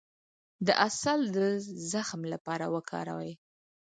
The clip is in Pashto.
د عسل د زخم لپاره وکاروئ